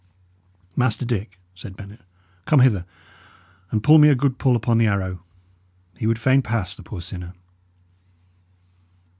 "Master Dick," said Bennet, "come hither, and pull me a good pull upon the arrow. He would fain pass, the poor sinner."